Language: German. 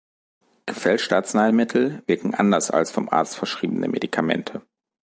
Gefälschte Arzneimittel wirken anders als vom Arzt verschriebene Medikamente.